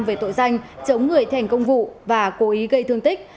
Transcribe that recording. về tội danh chống người thành công vụ và cố ý gây thương tích